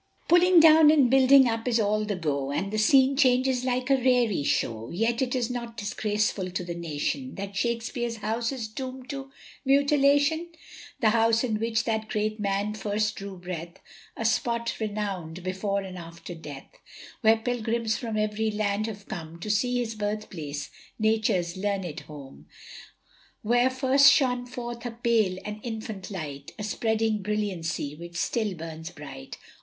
"Pulling down and building up is all the go, And the scene changes like a raree show," Yet is it not disgraceful to the nation, That Shakespeare's house is doomed to mutilation? The house in which that great man first drew breath, A spot renowned before and after death Where pilgrims from every land have come, To see his birth place, Nature's learned home Where first shone forth, a pale, an infant light, A spreading brilliancy, which still burns bright.